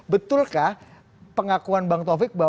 betulkah pengakuan bang taufik